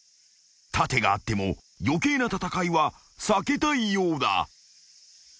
［盾があっても余計な戦いは避けたいようだ］